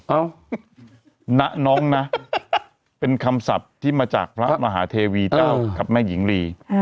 เอ้าณน้องนะเป็นคำศัพท์ที่มาจากพระมหาเทวีเจ้ากับแม่หญิงลี